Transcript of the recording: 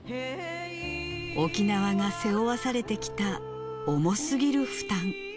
沖縄が背負わされてきた重す